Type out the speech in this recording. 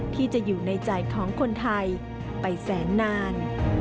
ที่จะอยู่ในใจของคนไทยไปแสนนาน